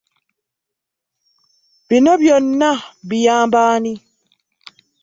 Bino byonna biyamba ani?